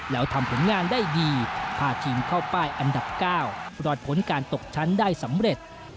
แล้วทำผลงานได้ดีพาทีมเข้าป้ายอันดับ๙รอดผลการตกชั้นได้สำเร็จ